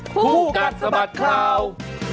ผู้กัดสมัครคราว